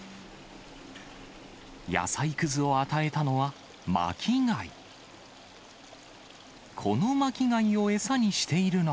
野菜くずを与えたのは、巻き貝。